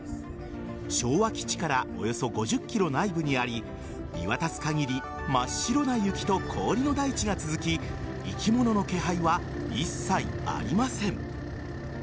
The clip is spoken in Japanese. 昭和基地からおよそ５０ｋｍ内部にあり見渡す限り真っ白な雪と氷の大地が続き生き物の気配は一切ありません。